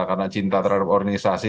karena cinta terhadap organisasi